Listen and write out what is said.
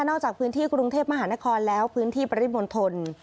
จากพื้นที่กรุงเทพมหานครแล้วพื้นที่ปริมณฑล